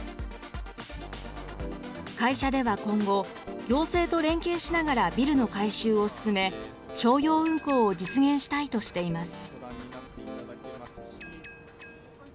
会社では今後、行政と連携しながらビルの改修を進め、商用運航を実現したいとしています。